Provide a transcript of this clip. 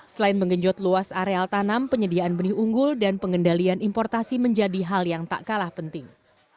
selain mengenjot luas areal tanam penyediaan benih unggul dan pengendalian importasi menjadi hal yang tak kalah penting